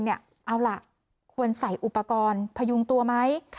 เอาล่ะควรใส่อุปกรณ์พยุงตัวไหม